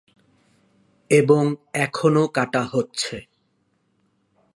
এবং এখনো কাটা হচ্ছে।